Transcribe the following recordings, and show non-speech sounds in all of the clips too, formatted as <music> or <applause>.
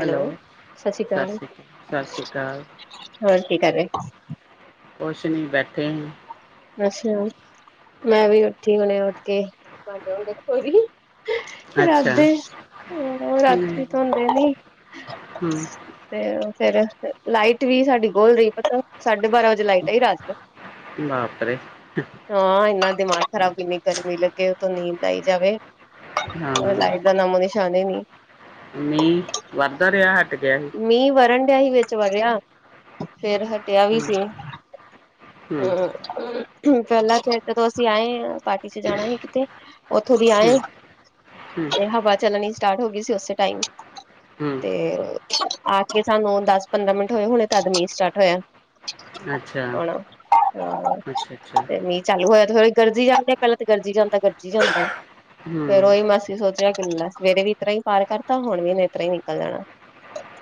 Hello ਸਤਿ ਸ੍ਰੀ ਅਕਾਲ, ਸ਼੍ਰੀ ਸਤਿ ਸ਼੍ਰੀ ਅਕਾਲ ਹੋਰ ਕੀ ਕਰ ਰੇ। ਕੁਛ ਨੀ ਬੈਠੇ ਆ ਜੀ। ਅੱਛਾ ਮੈਂ ਵੀ ਉੱਠੀ ਹੁਣੇ ਉੱਠ ਕੇ <unintelligible> ਰਾਤ ਅੱਛਾ ਦੇ ਰਾਤੀ ਧੋਂਦੇ ਨੀ ਹਮ ਤੇ ਫਿਰ ਲਾਈਟ ਵੀ ਸਾਡੀ ਗੋਲ ਰਹੀ ਪਤਾ ਸਾਢੇ ਬਾਰਾਂ ਵਜੇ ਲਾਈਟ ਆਈ ਰਾਤ ਨੂੰ। ਬਾਪਰੇ ਹਾਂ, ਇੰਨਾ ਦਿਮਾਗ ਖਰਾਬ ਕਿੰਨੀ ਗਰਮੀ ਲੱਗੇ ਉਤੋ ਨੀਂਦ ਆਈ ਜਾਵੇ। ਹਾਂ, ਲਾਈਟ ਦਾ ਨਾਮੋ ਨਿਸ਼ਾਨ ਹੀ ਨੀ ਨਹੀਂ ਵਾਧਾ ਰਿਹਾ। ਗਿਆ ਸੀ ਮੀਂਹ ਵਰਨ ਡਿਆ ਸੀ ਵਿੱਚ ਵਰ੍ਹਿਆ ਫਿਰ ਹਟਿਆ ਵੀ ਹਮ ਸੀ ਹੂੰ, ਹਮ ਠੀਕ ਪਹਿਲਾਂ ਫਿਰ ਜਦੋਂ ਅਸੀਂ ਆਏ ਆ ਪਾਰਟੀ ਚ ਜਾਣਾ ਸੀ ਕਿਤੇ। ਉੱਥੋਂ ਵੀ ਹਮ ਆਏ ਹਮ ਤੇ ਹਵਾ ਚੱਲਣੀ। ਸਟਾਰਟ ਹੋ ਗਈ ਸੀ ਉਸੇ ਟਾਈਮ ਹਮ ਤੇ ਆ ਕੇ ਸਾਨੂੰ ਦਸ ਪੰਦਰਾਂ ਮਿੰਟ ਹੋਏ ਹੁਣੇ ਤਦ ਮੀਂਹ ਸਟਾਰਟ ਹੋਇਆ। ਅੱਛਾ ਹੁਣ ਅੱਛਾ ਅੱਛਾ ਤੇ ਮੀਂਹ ਚਾਲੂ ਹੋਇਆ ਤੇ ਫ਼ਿਰ, ਗਰਜੀ ਜਾਂਦੇ ਪਹਿਲਾਂ ਤਾਂ ਗਰਜੀ ਜਾਂਦਾ ਗਰਜੀ ਜਾਂਦਾ ਫੇਰ ਹਮ ਉਹੀ ਮੈਂ ਅਸੀਂ ਸੋਚਿਆ ਲੈ ਸਵੇਰੇ ਵੀ ਇਤਰਾਂ ਹੀ ਪਾਰ ਕਰਤਾ ਹੁਣ ਵੀ ਮੈਂ ਇਤਰਾਂ ਹੀ ਨਿਕਲ ਜਾਣਾ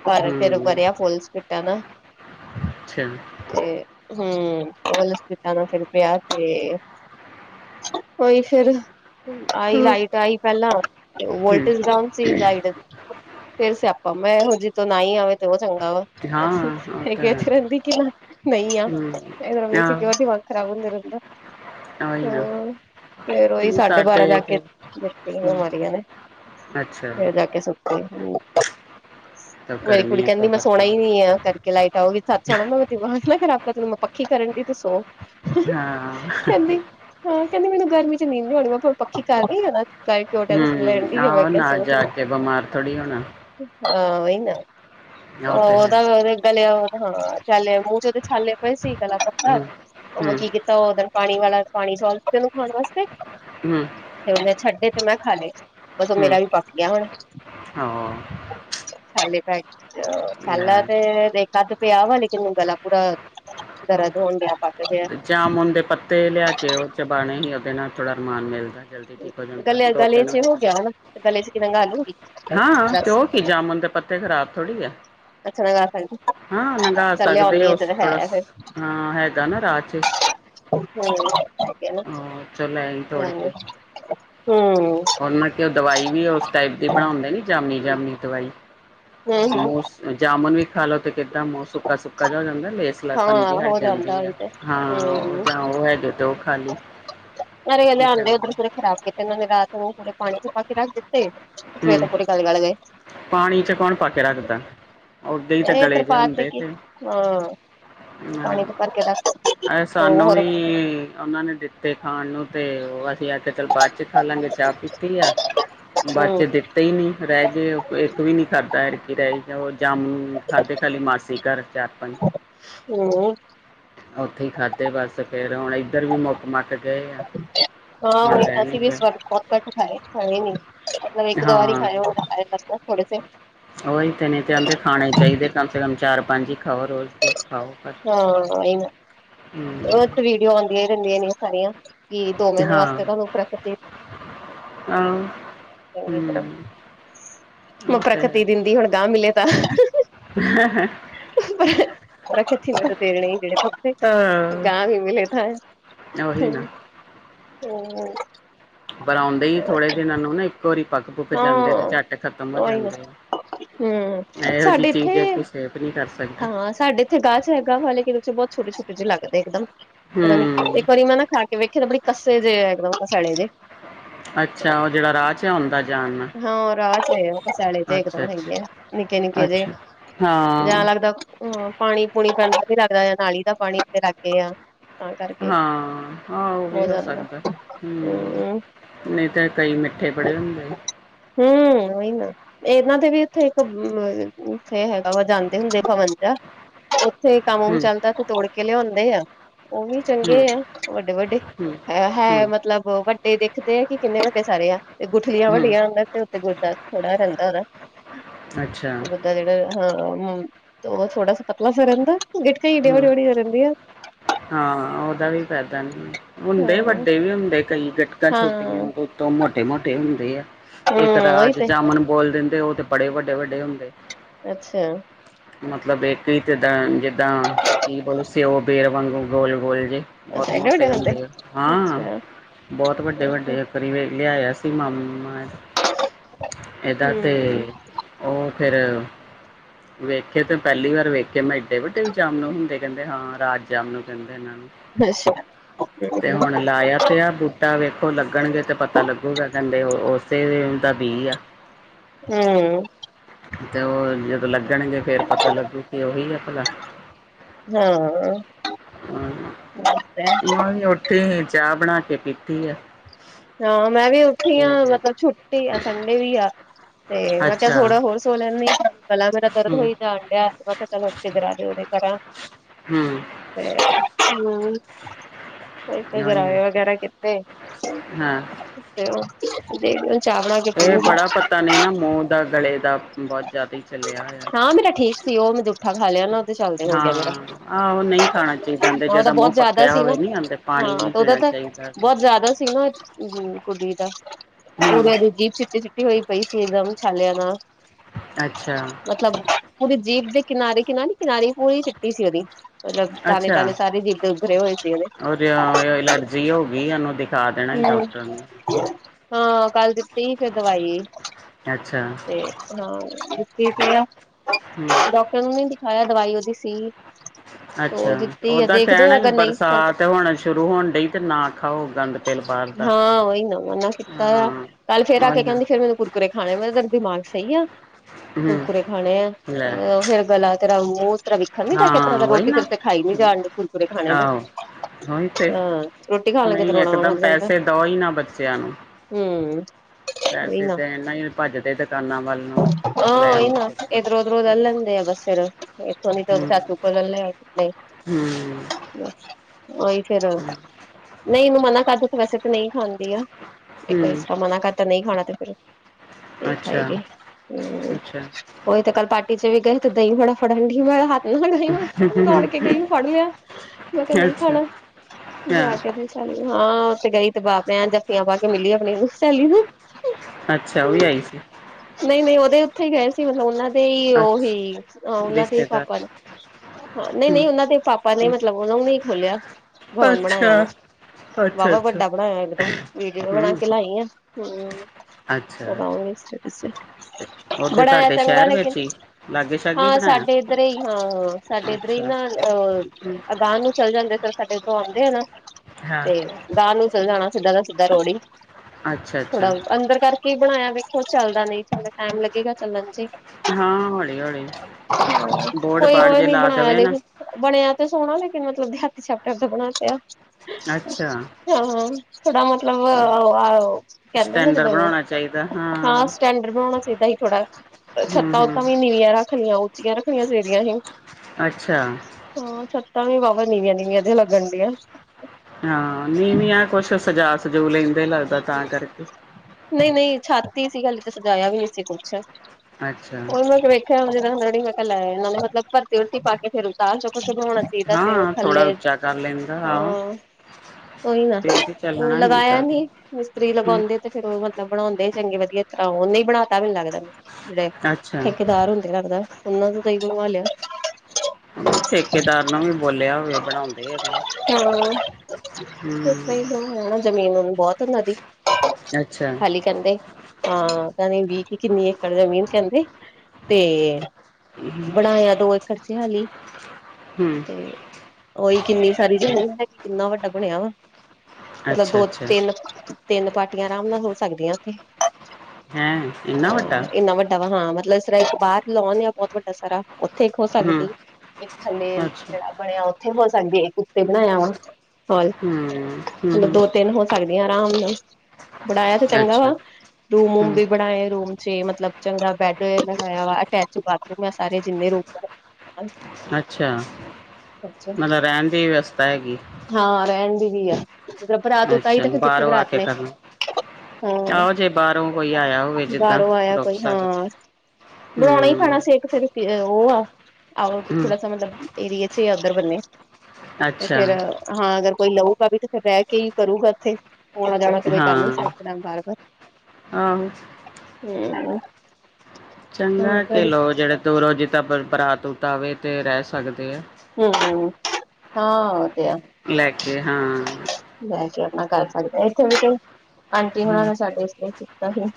ਪਰ ਫੇਰ ਹਮ ਵਰਿਆ ਫੁੱਲ। ਕਿੱਟਾ ਨਾ ਚੱਲ, ਤੇ ਹੂੰ, <unintelligible> ਪਿਤਾ ਫਿਰ <unintelligible> ਤੇ ਉਹੀ ਫਿਰ ਆਈ ਲਾਈਟ ਆਈ ਪਹਿਲਾਂ ਵੋਲਟੇਜ ਡਨ ਸੀ ਲਾਈਟ ਫਿਰ ਸਿਆਪਾ ਮੈਂ ਇਹੋ ਜੀ ਤਾਂ ਨਾ ਆਵੇ ਤੇ ਉਹ ਚੰਗਾ ਆਹ ਹਾਂ ਉਹ ਤਾਂ ਹੈ ਕਦੀ ਰਹਿੰਦੀ ਕਿ ਨਾ ਨਹੀਂ ਆ ਇਹਦੇ ਨਾਲ ਹਮ ਵੇਖ ਕੇ ਉਹ ਆਹ ਦਿਮਾਗ ਖਰਾਬ ਹੁੰਦੀ ਰਹਿੰਦਾ। ਉਹੀ ਬਸ ਨਾ ਹੂੰ, ਫਿਰ ਉਹੀ ਹਮ ਸਾਢੇ ਬਾਰਾਂ ਸਾਡੇ ਜਾ ਕੇ ਤੇ <unintelligible> ਹਮ ਬੀਮਾਰੀਆਂ ਨੇ ਅੱਛਾ ਫਿਰ ਜਾ ਕੇ ਸੁੱਤੀ ਤਾਂ ਮੇਰੀ ਗਰਮੀ ਕੁੜੀ ਹੈ ਕਹਿੰਦੀ ਤਾਂ ਮੈਂ ਕਰਤੀ ਸੋਣਾ ਈ ਨੀ ਆ ਕਰਕੇ ਲਾਈਟ ਆਉਗੀ ਤਦ ਸੋਣਾ ਮੈਂ ਕਿਹਾ ਤੂੰ ਮਾਜ ਲਾ। ਖਰਾਬ ਮਤਲਬ ਮੈਂ ਪੱਖੀ ਕਰਨ ਦੀ ਤੂੰ ਸੋ ਹਾਂ ਕਹਿੰਦੀ ਹਾਂ ਕਹਿੰਦੀ ਮੈਨੂੰ ਗਰਮੀ <unintelligible> ਮੈਂ ਪੱਖੀ ਕਰ ਰੀ ਆ ਨਾ। ਕੱਲ ਕਿਉਂ ਟੈਨਸ਼ਨ ਹਮ ਲੈਦੀ ਮੈਂ ਆਹੋ ਕਿਆ ਨਾ ਸੋ ਤੂੰ। ਜਾ ਕੇ ਬਿਮਾਰ ਥੋੜ੍ਹੀ ਹੋਣਾ ਆਹ ਓਹੀ ਨਾ ਆਹ ਉਹ ਤੇ ਹੈ ਉਹਦਾ ਉਹਦੇ ਗਲੇ ਓ ਹਾਂ, ਚੱਲ ਮੁੂੰਹ ਚ ਉਹਦੇ ਛਾਲੇ ਪਏ ਸੀ ਗਲਾ ਕੀਤਾ ਹੂੰ, ਉਹ ਮੈਂ ਹੂੰ, ਕੀ ਕੀਤਾ ਓਦਣ ਪਾਣੀ ਪਾਣੀ ਵਾਲਾ ਪਾਣੀ ਸੋ ਉਹਨੂੰ ਖਾਣ ਵਾਸਤੇ ਹੂੰ, ਤੇ ਉਹ ਮੈਂ ਛੱਡੇ ਤੇ ਮੈਂ ਖਾ ਲਏ ਬਸ ਓ ਮੇਰਾ ਵੀ ਪੱਕ ਗਿਆ ਹੁਣ। <inaudible> ਪਹਿਲਾ ਪਹਿਲਾ ਲੈ ਤੇ ਇੱਕ ਅੱਧ ਪਿਆ ਵਾ ਲੇਕਿਨ ਗਲਾ ਪੂਰਾ <unintelligible> ਜਾਮੁਨ ਦੇ ਪੱਤੇ ਲਿਆ ਕੇ ਉਹ ਚਬਾਣੇ ਹੀ ਉਹਦੇ ਨਾਲ ਥੋੜ੍ਹਾ ਰੁਮਾਨ ਮਿਲਦਾ। ਜਲਦੀ ਠੀਕ ਹੋ ਜਾਂਦਾ ਦੋ ਤਿੰਨ ਹਾਂ ਤੇ ਉਹ ਕੀ ਜਾਮਣ ਦਾ। ਪੱਤੇ ਖਰਾਬ ਥੋੜ੍ਹੀ ਆ ਹਾਂ, ਲੰਘਾ ਸਕਦੇ ਉਸ ਹੈ ਥੋੜਾ ਫਿਰ ਹਾਂ ਹੈਗਾ ਨਾ ਰਾਜ <inaudible> ਹੂੰ, ਓਹੀ ਆ ਨਾ ਚਲੋ ਐ ਹੀ ਥੋੜ੍ਹੇ ਜੇ। ਹੂੰ ਹੁਣ ਮੈਂ ਕਿਹਾ ਦਵਾਈ ਵੀ ਉਸ ਟਾਈਪ ਦੀ ਬਣਾਉਂਦੇ ਨੀ ਜਾਮਣੀ ਜਾਮਣੀ ਦਵਾਈ ਹੂੰ ਸ ਜਾਮੁਨ ਵੀ ਖਾ ਲੋ ਤੇ ਕਿੱਦਾਂ ਮੂੰਹ ਸੁੱਕਾ ਸੁੱਕਾ ਜਾ ਹੋ ਜਾਂਦਾ। <unintelligible> ਹਾਂ ਹੋ ਹਟ ਜਾਂਦਾ ਜਾਂਦੀ ਉਹੀ ਆ ਤੇ ਹਾਂ ਉਹ ਹੂੰ ਜਾਂ ਉਹ ਐ ਜਾ, <unintelligible> ਪੂਰੇ ਹੂੰ ਖਰਾਬ ਕੀਤੇ ਇਹਨਾਂ ਨੇ ਰਾਤ ਨੂੰ ਪੂਰੇ ਪਾਣੀ ਚ ਪਾ ਕੇ ਰੱਖ ਦਿੱਤੇ। ਸਵੇਰ ਹੂੰ, ਤੋਂ ਪੂਰੇ ਗਲ ਗਲ ਗਏ ਪਾਣੀ ਚ ਕੌਣ ਪਾ ਕੇ ਰੱਖਦਾ। ਉਦੇ ਹੀ ਤੇ ਇਹ ਗਲੇ ਜਿਹੇ ਤਰਪਾਤ ਹੁੰਦੇ ਕੀ ਤੇ। ਹਾਂ ਪਾਣੀ ਚ ਭਰ ਕੇ ਰੱਖ ਹਾਂ, ਅ ਸਾਨੂੰ ਹੋਰ ਵੀ ਉਹਨਾਂ ਨੇ ਦਿੱਤੇ। ਖਾਣ ਨੂੰ ਤੇ ਉਹ ਅਸੀਂ ਆਖਿਆ ਚੱਲ ਬਾਅਦ ਚ ਖਾ ਲਾਂਗੇ ਚਾਹ ਪੀਤੀ ਆ ਹੂੰ ਬਾਅਦ ਚ, ਜੇ ਦਿੱਤੇ ਹੀ ਨਹੀਂ ਰਹਿ ਗਏ ਉਹ ਇੱਕ ਵੀ ਨਹੀਂ ਕਰਦਾ ਹੜਕੀ ਰਹਿ ਉਹ ਜਾਮੁਣ ਖਾਧੇ ਕੱਲ ਮਾਸੀ ਘਰ ਚਾਰ ਪੰਜ ਹੂੰ ਉੱਥੇ ਹੀ ਖਾਧੇ ਬਸ ਫੇਰ ਹੁਣ ਇੱਧਰ ਵੀ ਮੁੱਕ ਮੱਕ ਗਏ ਆ। ਹਾਂ, ਹੁਣ ਰਹਿ ਅਸੀਂ ਨਹੀਂ ਵੀ ਗਏ ਇਸ ਬਹੁਤ ਘੱਟ ਖਾਏ ਖਾਏ ਨੀ। ਮਤਲਬ ਇੱਕ ਦੋ ਵਾਰੀ ਹਾਂ ਖਾਏ ਆ <unintelligible> ਨੀ ਖਾਏ ਮਤਲਬ ਥੋੜੇ ਸੇ। ਉਹੀ ਤੇ ਨਹੀਂ ਤੇ ਕਹਿੰਦੇ ਖਾਣੇ ਚਾਹੀਦੇ ਕਮ ਸੇ ਕਮ ਚਾਰ ਪੰਜ ਹੀ ਖਾਓ ਰੋਜ਼ ਤੇ ਖਾਓ ਪਰ, ਹਾਂ, ਓਹੀ ਹੂੰ ਨਾ ਵੀਡੀਓ ਆਂਦੀਆਂ ਹੀ ਰਹਿੰਦੀਆਂ ਨੇ ਸਾਰੀਆਂ ਕਿ ਦੋ ਮਹੀਨੇ ਹਾਂ ਵਾਸਤੇ ਤੁਹਾਨੂੰ ਪ੍ਰੱਖਤੀ ਆਹੋ ਚੰਗੀ ਤਰ੍ਹਾਂ ਹੂੰ ਮੈਂ ਉਹ ਤੇ ਹੈ। ਪ੍ਰੱਖਤੀ ਦਿੰਦੀ ਹੁਣ ਗਾਂ ਮਿਲੇ। ਤਾਂ, <inaudible> <unintelligible> ਪੱਤੇ ਗਹਾਂ ਤਾਂ ਕੀ <unintelligible> ਉਹੀ ਨਾ। ਹੂੰ। ਪਰ ਆਉਂਦੇ ਹੀ ਥੋੜੇ ਦਿਨਾਂ ਨੂੰ ਨਾ ਇੱਕ ਵਾਰੀ। ਪੱਕ ਪੁੱਕ ਜਾਂਦੇ ਤੇ ਹਾਂ ਝੱਟ ਖਤਮ ਹੋ ਉਹੀ ਨਾ ਜਾਂਦੇ ਆ। ਹਮ ਇਹੋ ਜਿਹੀ ਸਾਡੇ ਇੱਥੇ ਚੀਜ਼ ਅਸੀਂ ਸੇਫ ਨਹੀਂ ਕਰ ਸਕਦੇ ਹਾਂ, ਸਾਡੇ ਇੱਥੇ ਘਾਹ 'ਚ ਹੈਗਾ ਵਾ ਲੇਕਿਨ ਉਸ 'ਚ ਬਹੁਤ ਛੋਟੇ ਛੋਟੇ ਜਿਹੇ ਲੱਗਦੇ ਇੱਕਦਮ। ਪਤਾ ਨੀ ਹੂੰ ਇੱਕ ਵਾਰੀ ਮੈਂ ਨਾ ਖਾ ਕੇ ਵੇਖੇ ਬੜੇ ਕੱਸੇ ਜੇ ਇਕਦਮ ਸੜੇ ਜੇ। ਅੱਛਾ, ਉਹ ਜਿਹੜਾ ਰਾਹ 'ਚ ਆਉਂਦਾ ਜਾ। ਹਾਂ, ਰਾਹ 'ਚ ਐ ਓ ਸਿਆਲੇ ਜੇ ਇੱਕ ਅੱਛਾ ਦਮ ਹੈਗੇ ਆ ਅੱਛਾ ਨਿੱੱਕੇ ਨਿੱੱਕੇ ਜੇ। ਅੱਛਾ ਜਾਂ ਹਾਂ ਲੱਗਦਾ ਹੂੰ ਪਾਣੀ ਪੂਣੀ ਪੈਣ ਵੀ ਲੱਗਦਾ ਆ ਨਾਲੀ ਦਾ ਪਾਣੀ ਵੀ ਤੇ ਲਾਗੇ ਆ। ਤਾਂ ਕਰਕੇ ਹਾਂ, ਉਹ ਵੀ ਹੋ ਸਕਦਾ ਹੂੰ। ਹਮ ਨਹੀਂ ਤੇ ਕਈ ਮਿੱਠੇ ਬੜ੍ਹੇ ਹੁੰਦੇ। ਹੂੰ ਉਹੀ ਨਾ ਇਹਨਾਂ ਦੇ ਵੀ ਉੱਥੇ ਇੱਕ ਉੱਥੇ ਹੈਗਾ ਵਾ ਜਾਂਦੇ ਹੁੰਦੇ ਪਵਨ ਜਾ। ਉੱਥੇ ਕੰਮ ਹੂੰ ਚੱਲਦਾ ਉੱਥੋਂ ਤੋੜ ਕੇ ਲਿਆਉਂਦੇ ਆ। ਉਹ ਵੀ ਚੰਗੇ ਹੂੰ ਆ ਵੱਡੇ ਵੱਡੇ। ਹੂੰ ਇਹ ਹੈ ਹੂੰ ਮਤਲਬ ਵੱਡੇ ਦੇਖਦੇ ਆ ਕਿ ਕਿੰਨੇ ਵੱਡੇ ਸਾਰੇ ਆ? ਇਹ ਗੁਠਲੀਆਂ ਹੂੰ ਵੱਡੀਆਂ ਹੁੰਦਾ ਤੇ ਉੱਥੇ ਗੁਰਦਾਥੋੜਾ ਰਹਿੰਦਾ ਉਹਦਾ ਅੱਛਾ ਗੁੱਦਾ ਜਿਹੜਾ। ਹਾਂ ਹੂੰ ਤੇ ਉਹ ਥੋੜਾ ਸਾ ਪਤਲਾ ਰਹਿੰਦਾ। ਗਿਟਕਾਂ ਏਡੀ ਹੂੰ ਵਡੀ ਵਡੀ ਰਹਿੰਦੀ ਆ ਹਾਂ ਉਹਦਾ ਵੀ ਫਾਇਦਾ ਨੀ। ਕੁੰਡੇ ਹਾਂ ਵੱਡੇ ਵੀ ਹੁੰਦੇ ਆ। ਕਈ ਗਿਟਕਾਂ ਛੋਟੀਆਂ ਹਾਂ ਉੱਤੋਂ ਮੋਟੇ ਮੋਟੇ ਹੁੰਦੇ ਆ। ਇੱਕ ਹਮ ਉਹੀ ਰਾਜ ਤੇ ਜਾਮਨ ਬੋਲ ਦਿੰਦੇ ਉਹ ਤੇ ਬੜੇ ਵੱਡੇ ਵੱਡੇ ਹੁੰਦੇ । ਅੱਛਾ। ਮਤਲਬ ਇੱਕ ਹੀ ਜਿੱਦਾਂ ਜਿੱਦਾਂ ਕੀ ਬੋਲ ਸਿਓ, ਬੇਰ ਵਾਂਗੂ ਗੋਲ ਗੋਲ। ਤੇ ਬਹੁਤ ਅੱਛਾ ਏਡੇ ਵੱਡੇ ਮੋਟੇ ਹੁੰਦੇ ਹਾਂ ਅੱਛਾ ਬਹੁਤ ਵੱਡੇ ਹਮ ਅੱਛਾ ਵੱਡੇ ਕਰੀਵੇ ਲਿਆਇਆ ਸੀ। ਸੀ ਮਾਮਾ ਏਦਾ ਏਦਾਂ ਹਮ ਤੇ ਉਹ। ਫਿਰ। ਵੇਖੇ ਤੇ ਪਹਿਲੀ ਵਾਰ ਵੇਖੇ ਮੈਂ ਕਿਹਾ ਏਡੇ ਵੱਡੇ ਵੀ ਜਾਮਨ ਹੁੰਦੇ ਕਹਿੰਦੇ ਹਾਂ ਰਾਜ ਜਾਮਨ ਕਹਿੰਦੇ। ਇਨਾਂ ਨੂੰ। ਤੇ ਹੁਣ ਲਾਇਆ ਤੇ ਆ ਬੂਟਾ ਵੇਖੋ ਲੱਗਣਗੇ ਤੇ ਪਤਾ ਲੱਗੂਗਾ ਕਹਿੰਦੇ ਉਸੇ ਦਾ ਹੁੰਦਾ। ਬੀਜ ਆ। ਹੂੰ। ਤੇ ਉਹ ਜਦੋਂ ਲੱਗਣਗੇ ਫੇਰ ਪਤਾ ਲੱਗੂ ਕਿ ਉਹੀ ਹੈ ਭਲਾ। ਹਾਂ ਹਾ ਮੈਂ ਵੀ ਉੱਠੀ ਸੀ ਚਾਹ ਬਣਾ ਕੇ। ਕੇ ਪੀਤੀ ਆ। ਹਾਂ ਮੈਂ ਵੀ ਉੱਠੀ ਹਾਂ ਤੇ ਮਤਲਬ ਛੁੱਟੀ ਆ ਸੰਡੇ ਵੀ ਆ। ਤੇ ਮੈਂ ਕਿਹਾ ਅੱਛਾ ਥੋੜਾ ਹੋਰ ਸੌ ਲੈਣੀ ਆ ਗਲਾ ਮੇਰਾ। ਗਰਦ ਹੂੰ ਹੋਈ ਜਾਣ ਡਿਆ ਮੈਂ ਕਿਹਾ ਚਲ ਉੱਠ ਕੇ ਗਰਾਰੇ ਗੁਰਾਰੇ ਕਰਾ। ਹੂੰ। ਹੂੰ ਉਹੀ ਫੇਰ ਗਰਾਰੇ ਵਗੈਰਾ ਕੀਤੇ ਤੇ ਹਾਂ। ਉਹ। ਫ਼ਰਕ ਨਹੀਂ ਫੇਰ। ਇਹ ਬੜਾ ਪਤਾ ਨਹੀਂ ਨਾ ਮੂੰਹ ਦਾ ਗਲੇ। ਦਾ ਬਹੁਤ ਜ਼ਿਆਦਾ ਹੀ ਚੱਲਿਆ ਹੋਇਆ ਹਾਂ ਮੇਰਾ ਠੀਕ ਸੀ ਉਹ ਮੈਂ ਜੂਠਾ ਖਾ ਲਿਆ ਨਾ ਉਹਦੇ ਚਲਦੇ ਹੋ ਗਿਆ ਮੇਰਾ ਹਾਂ। ਆਹੋ ਨਹੀਂ ਖਾਣਾ ਚਾਹੀਦਾ ਕਹਿੰਦੇ ਉਹ ਤਾਂ ਜਦੋਂ ਮੂੰਹ ਬਹੁਤ ਜ਼ਿਆਦਾ ਪੱਕਿਆ ਸੀ ਨਾ ਹੋਵੇ ਨਹੀਂ ਅੰਦਰ ਪਾਣੀ ਹਾਂ ਵੀ ਨੀ ਤੇ ਉਹਦਾ ਪੀਣਾ ਤਾਂ ਚਾਹੀਦਾ ਹੈ। ਬਹੁਤ ਜ਼ਿਆਦਾ ਸੀ ਨਾ ਹੂੰ ਕੁੜੀ ਦਾ ਹੂੰ ਪੂਰਿਆ ਦੀ ਜੀਭ ਸਿੱਟੀ ਛਿੱਟੀ ਹੋਈ ਪਈ ਸੀ ਇਕਦਮ ਛਾਲਿਆਂ ਨਾਲ। ਅੱਛਾ ਮਤਲਬ ਉਹਦੀ ਜੀਭ ਦੇ। ਕਿਨਾਰੀ ਕਿਨਾਰੀ ਕਿਨਾਰੀ ਪੂਰੀ ਚਿੱਟੀ ਸੀ ਉਹਦੀ। ਉਹ ਜਦ ਦਾਣੇ ਅੱਛਾ ਦਾਣੇ ਸਾਰੀ ਜੀਭ ਤੇ ਉਭਰੇ ਹੋਏ ਸੀ ਔਰ ਉਹਦੇ। ਐਲਰਜੀ ਹੋ ਗਈ ਉਹਨੂੰ ਦਿਖਾ ਦੇਣਾ ਸੀ ਹੂੰ ਡਾਕਟਰ ਨੂੰ ਹੂੰ। ਹਾਂ ਕੱਲ ਦਿੱਤੀ ਸੀ। ਫੇਰ ਦਵਾਈ ਅੱਛਾ ਤੇ ਹਾ। ਠੀਕ ਹੋਇਆ ਹਮ ਡਾਕਟਰ ਨੂੰ ਨੀ ਦਿਖਾਇਆ ਦਵਾਈ ਉਹਦੀ ਸੀ। ਅੱਛਾ। ਤੇ ਉਹ ਅੱਛਾ ਦਿੱਤੀ ਆ ਉੱਦਾਂ ਕਿਹਾ ਦੇਖਦੇ ਆ ਨਾ, ਅਗਰ ਨਹੀਂ ਫ਼ਰਕ ਬਰਸਾਤ ਹੋਣਾ ਸ਼ੁਰੂ ਹੋਣ ਡਈ ਤੇ ਨਾ ਖਾਓ ਗੰਦ ਤੇਲ ਬਾਹਰ ਦਾ ਹਾਂ ਉਹੀ ਨਾ, ਉਹਨਾ ਕੀਤਾ ਆ। ਹਾਂ ਕੱਲ ਫੇਰ ਆ ਉਹੀ ਕੇ ਨਾ ਕਹਿੰਦੀ ਫੇਰ ਮੈਨੂੰ ਕੁਰਕੁਰਰੇ ਖਾਣੇ। ਮੈਂ ਕਿਹਾ ਤੇਰਾ ਦਿਮਾਗ ਸਹੀ ਆ? ਹਮ ਕੁਰਕੁਰੇ ਖਾਣੇ ਆ, ਲੈ ਫੇਰ ਗਲਾ ਤੇਰਾ ਮੂੰਹ ਤਰ੍ਹਾਂ ਵੇਖਣ ਨੀ ਜਾ, ਕਿਸ ਤਰ੍ਹਾਂ ਹਾਂ ਦਾ ਉਹੀ ।ਰੋਟੀ ਨਾ ਤੇਰੇ ਤੋਂ ਖਾਈ ਨੀ ਜਾਣ ਡਈ, ਤੂੰ ਕੁਰਕੁਰੇ ਖਾਣੇ । ਆਹੋ ਉਹੀ ਤੇ ਨਹੀਂ ਇਕਦਮ, ਪੈਸੇ ਦਓ ਹੀ ਨਾ ਬੱਚਿਆਂ ਨੂੰ। ਹੰ ਪੈਸੇ ਦੇਣ ਨਾਲ ਐ ਭੱਜਦੇ ਦੁਕਾਨਾਂ ਵੱਲ ਨੂੰ। ਲੈ ਆਂ, ਏ ਆਉਂਦੇ ਨਾ ਕੁਛ ਕੁਛ ਇਧਰੋਂ ਉਧਰੋਂ ਲੈ ਲੈਂਦੇ ਆ ਬਸ ਫੇਰ, ਇੱਥੋਂ ਨਹੀਂ ਤੇ ਹਮ <unintelligible> ਲੈ ਲੇ। ਹਮ ਉਹੀ ਫੇਰ, ਨਹੀਂ ਇਹਨੂੰ ਮਨਾ ਕਰਦੇ ਤੇ ਵੈਸੇ। ਨਹੀਂ ਖਾਂਦੀ ਆ, ਜੇ ਹਮ ਕਿਸੇ ਮਨਾ ਕਰਤਾ ਨਹੀਂ ਖਾਣਾ, ਤੇ ਫਿਰ ਨਹੀਂ ਅੱਛਾ ਖਾਏਗੀ, ਹੰ। ਅੱਛਾ ਉਹ ਤੇ ਕੱਲ ਪਾਰਟੀ ਚ ਵੀ ਗਏ ਤੇ ਦਹੀਂ ਵਡਾ ਫਟਾਫਟ <unintelligible> ਹੱਥ <unintelligible> ਦੌੜ ਕੇ ਗਈ ਫੜ੍ਹ ਲਿਆ, ਮੈਂ ਕਿਹਾ ਨਹੀਂ ਖਾਣਾ। ਅੱਛਾ <unintelligible> ਹਾਂ, ਹਾਂ, ਉੱਥੇ ਗਈ ਤੇ ਬਾਪ ਨੇ ਜੱਫੀਆਂ ਪਾ ਕੇ ਮਿਲੀ ਆਪਣੀ ਸੇਲੀ ਨੂੰ। ਅੱਛਾ, ਉਹ ਵੀ ਆਈ ਸੀ। ਨਹੀਂ- ਨਹੀਂ ਉਹ ਤੇ ਉੱਥੇ ਹੀ ਗਏ ਸੀ । ਮਤਲਬ ਉਹਨਾਂ ਦੇ ਹੀ ਅੱਛਾ ਉਹੀ, ਉਹਨਾਂ ਦੇ ਰਿਸ਼ਤੇਦਾਰ ਪਾਪਾ ਨੂੰ। ਹ ਨਹੀਂ-ਨਹੀਂ, ਹੂੰ, ਨੂੰ ਉਹਨਾਂ ਦੇ ਪਾਪਾ ਨੇ ਮਤਲਬ ਉਹਨਾਂ ਨੇ ਹੀ ਖੋਲਿਆ, ਭਵਨ ਬਣਾਇਆ ਅੱਛਾ। ਵਾ ਵਾਵਾ ਅੱਛਾ-ਅੱਛਾ, ਵੱਡਾ ਬਣਾਇਆ ਇਕਦਮ, ਵੀਡੀਓ ਬਣਾ ਹੂੰ, ਕੇ ਲਾਈ ਐਂ? ਹੰ, <unintelligible> ਅੱਛਾ ਉਹਦੇ ਬੜਾ ਆ ਤੁਹਾਡੇ ਚੰਗਾ ਸ਼ਹਿਰ ਲੇਕਿਨ। ਵਿੱਚ ਹੀ ਲਾਗੇ ਸ਼ਾਗੇ ਹੀ ਹਾਂ ਬਣਾਇਆ ਸਾਡੇ ਇੱਧਰੇ ਹੀ ਹਾਂ ਹਾਂ, ਸਾਡੇ ਇੱਧਰ ਹੀ ਅੱਛਾ ਨਾ ਅਹ ਅਗਾਂਹ ਨੂੰ ਚਲੇ ਜਾਂਦੇ । ਸਾਡੇ ਉੱਧਰੋਂ ਆਉਂਦੇ ਆ ਨਾ, ਹਾਂ, ਤੇ ਗਾਹ ਨੂੰ ਚਲੇ ਜਾਣਾ। ਸਿੱਧਾ ਦਾ ਸਿੱਧਾ ਰੋੜ ਈ। ਥੋੜਾ ਅੱਛਾ-ਅੱਛਾ, ਅੰਦਰ ਕਰਕੇ ਹੀ ਬਣਾਇਆ, ਵੇਖੋ ਚੱਲਦਾ ਨਹੀਂ ਚੱਲਦਾ। ਟਾਈਮ ਲੱਗੇਗਾ ਚੱਲਣ ਚ। ਹਾਂ, ਹੌਲੀ ਹੌਲੀ। ਕੋਈ ਉਹ ਨੀ ਬਣਾਇਆ, ਲੇਕਿਨ ਬਣਿਆ ਤੇ ਸੋਹਣਾ ਲੇਕਿਨ ਮਤਲਬ ਦਿਹਾ ਚੈਪਟਰ ਦਾ ਬਣਾ ਤਾ। ਅੱਛਾ ਹਾਂ ਥੋੜਾ ਮਤਲਬ ਅ ਕਹਿੰਦੇ ਆ ਨਾ ਜ ਸਟੈਂਡਰ ਬਣਾਉਣਾ ਚਾਹੀਦਾ ਹਾਂ। ਹਾਂ ਸਟੈਂਡਰਡ ਬਣਾਉਣਾ ਚਾਹੀਦਾ ਸੀ ਥੋੜਾ, ਹੂੰ-ਹੂੰ, ਛੱਤਾਂ ੱਤਾਂ ਵੀ ਨੀਵੀਆਂ ਰੱਖ ਲਈਆਂ। ਛਤੀ ਰੱਖਣੀਆਂ ਚਾਹੀਦੀਆਂ ਸੀ, ਅੱਛਾ ਹਾਂ ਛੱ ਤਾਂ ਵੀ ਵਾਵਾ ਨੀਵੀਆਂ ਨੀਵੀਆਂ ਜੀਆਂ ਲੱਗਣ ਡੀਆਂ। ਹਾਂ ਨੀਵੀ ਆ ਕੁੱਛ ਸਜਾ ਸਜੂ ਲੈਂਦੇ ਲੱਗਦਾ ਤਾਂ ਕਰਕੇ ਨਹੀਂ-ਨਹੀਂ ਛੱਤ ਹੀ ਸੀ ਖਾ ਤੇ ਸਜਾਇਆ ਵੀ ਨਹੀ ਸੀ ਕੁਛ, ਅੱਛਾ ਉਹ ਮੈਂ ਵੇਖਿਆ ਜਿੱਦਾਂ ਹੂੰਦਾ ਮੈਂ ਕਿਹਾ ਲੈ, ਇਹਨਾਂ ਨੇ ਮਤਲਬ ਘੱਰ ਦੀ <unintelligible> ਪਾ ਕੇ ਫੇਰ <unintelligible> ਜੋ ਕੁਛ ਤੇ ਹੋਣਾ ਚਾਹੀਦਾ, ਤੇ ਉਹ ਹਾਂ ਥੱਲੇ, ਥੋੜਾ ਉੱਚਾ ਕਰ ਲੈਂਦਾ ਹਾਂ ਆਹੋ ਉਹੀ ਨਾ, ਤੇ ਵੀ ਉਹ ਚੱਲਣਾ ਲਗਾਇਆ ਏਦਾਂ ਤੇ ਨੀ, ਮਿਸਤਰੀ ਹੂੰ ਲਗਾਉਂਦੇ ਤੇ ਫੇਰ ਉਹ ਮਤਲਬ ਬਣਾਉਂਦੇ ਚੰਗੇ ਵਧੀਆ ਤਰ੍ਹਾਂ ਉਹ ਨਹੀਂ ਬਣਾ ਤਾਂ ਵੀ ਨੀ ਲੱਗਦਾ, ਜਿਹੜੇ ਅੱਛਾ ਠੇਕੇਦਾਰ ਹੁੰਦੇ ਲੱਗਦਾ ਉਹਨਾਂ ਨੂੰ <unintelligible> ਉਹ ਠੇਕੇਦਾਰ ਨੂੰ ਵੀ ਬੋਲਿਆ ਹੋਵੇ ਬਣਾਉਂਦੇ ਹੈਗੇ। ਕਈ ਲੋਗ ਹੈਣਾ ਜਮੀਨ ਬਹੁਤ ਓਨਾ ਦੀ। ਅੱਛ ਹਾਲੀ ਕਹਿੰਦੇ। ਹਾਂ ਕਹਦੇ ਵੀ ਕੀ ਕਿੰਨੀ ਏਕੜ ਜ਼ਮੀਨ ਕਹਿੰਦੇ, ਤੇ ਬਣਾਇਆ ਦੋ ਏਕੜ ਸੀ ਹਾਲੀ। ਹੂੰ ਤੇ ਉਹੀ ਕਿੰਨੀ ਸਾਰੀ ਜਮੀਨ ਹੈਗੀ, ਕਿੰਨਾ ਵੱਡਾ ਬਣਿਆ ਵਾ। ਮਤਲਬ ਅੱਛਾ ਦੋ ਅੱਛਾ ਤਿੰਨ, ਤਿੰਨ ਪਾਰਟੀਆਂ ਆਰਾਮ ਨਾਲ ਹੋ ਸਕਦੀਆਂ ਉੱਥੇ। ਹਾਂ, ਹੈਂ ਇੰਨਾ ਵੱਡਾ ਇੰਨਾ ਵੱਡਾ ਵਾ ਹਾਂ, ਮਤਲਬ ਇਸ ਤਰ ਇੱਕ ਬਾਹਰ ਲਾਉਣ ਆ ਬਹੁਤ ਵੱਡਾ ਸਾਰਾ। ਉੱਥੇ ਇੱਕ ਹੋ ਹੂੰ ਸਕਦੀ, ਇੱਕ ਥੱਲੇ ਅੱਛਾ ਜਿਹੜਾ ਬਣਿਆ ਕਿੱਥੇ ਹੋ ਸਕਦੀ, ਇੱਕ ਉੱਤੇ ਬਣਾਇਆ ਵਾ ਹਮ ਮਤਲ ਦੋ ਤਿੰਨ ਹੋ ਸਕਦੀਆਂ ਆਰਾਮ ਨਾਲ ਬਣਾਇਆ ਤੇ ਚੰਗਾ ਵਾ ਅੱਛਾ ਰੂਮ ਵੂਮ ਹੂੰ ਵੀ ਬਣਾਏ ਰੂਮ ਤੇ ਮਤਲਬ ਚੰਗਾ ਬੈੱਡ ਲਗਾਇਆ ਵਾ ਅਟੈਚ ਬਾਥਰੂਮ ਆ ਸਾਰੇ ਜਿੰਨੇ ਰੂ ਅੱਛਾ ਮਤਲਬ ਰਹਿਣ ਦੀ ਵਿਵਸਥਾ ਹੈਗੀ ਮਬ ਬਰਾਤ ਉ ਤਾਂ ਹੀ ਅੱਛਾ ਤੇ ਫਿਰ ਕਿੱਥੇ ਬਾਹਰੋਂ ਆ ਬਰਾਤ ਕੇ ਨੇ ਕਰਨਾ ਹਾਂ ਆਹੋ ਜੇ ਬਾਹਰੋਂ ਕੋਈ ਆਇਆ ਹੋਵੇ ਜਿੱਦਾਂ ਬਾਹਰੋਂ ਆਇਆ ਰੁਕ ਕੋਈ ਹਾਂ ਸਕਦਾ ਬਣਾਉਣਾ ਹੀ ਪੈਣਾ ਹੂੰ ਸੇਕ ਫੇਿਰ ਉਹ ਆ ਆਊਟ ਹੂੰ ਥੋੜਾ ਸਾ ਮਤਲਬ ਏਰੀਏ ਚ ਉੱਧਰ ਬਨੀੱ ਤੇ ਅੱਛਾ ਫੇਿਰ ਹਾਂ ਅਗਰ ਕੋਈ ਲਊਗਾ ਵੀ ਤੇ ਫੇਰ ਰਹਿ ਕੇ ਹੀ ਕਰੂਗਾ ਇੱਥੇ ਆਉਣਾ ਜਾਣਾ ਤੇ ਕੋਈ ਕਰ ਹਾਂ ਨ ਬਾਰ-ਬਾਰ ਆਹੋ ਹਮ ਚੰਗਾ ਕਿ ਲੋਗ ਜਿਹੜੇ ਦੋ ਰੋਜ਼ੀ ਤਾਂ ਬਰਾਤ ਉਤ ਆਵੇ ਤੇ ਰਹਿ ਸਕਦੇ ਆ ਹਮ-ਹਮ ਹਾਂ ਤੇ ਲੈ ਕੇ ਹਾਂ, ਕਰ ਸਕਦੇ ਇੱਥੇ ਵੀ ਆਂਟੀ ਉਹਨਾਂ ਨੇ ਸਾਡੇ ਇਸਤੇ ਕੀਤਾ ਸੀ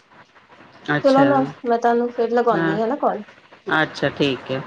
ਚਲੋ ਅੱਛਾ। ਨਾ ਮੈਂ ਤੁਹਾਨੂੰ ਫੇਿਰ ਹਾਂ, ਲਗਾਉਂਦੀ ਨਾ ਕੋਲ ਅੱਛਾ ਠੀਕ ਹੈ